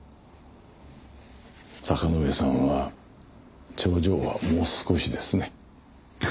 坂之上さんは頂上はもう少しですね。